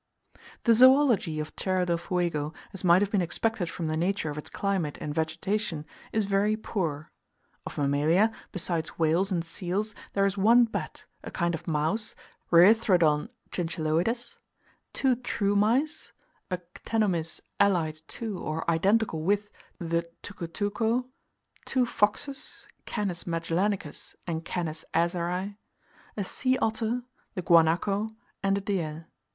The zoology of Tierra del Fuego, as might have been expected from the nature of its climate and vegetation, is very poor. Of mammalia, besides whales and seals, there is one bat, a kind of mouse (Reithrodon chinchilloides), two true mice, a ctenomys allied to or identical with the tucutuco, two foxes (Canis Magellanicus and C. Azarae), a sea otter, the guanaco, and a deer.